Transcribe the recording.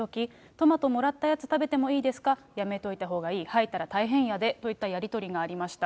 トマトもらったやつ食べていいですか、やめといたほうがいい、吐いたら大変やでといったやり取りがありました。